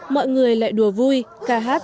mọi người lại đùa vui ca hát